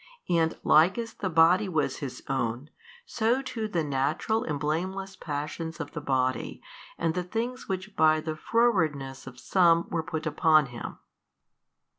And like as the Body was His own, so too the natural and blameless passions of the body and the things which by the frowardness of some were put upon Him.